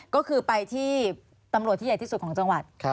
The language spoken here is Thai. ก็คือไปที่ตำรวจที่ใหญ่ที่สุดของจังหวัด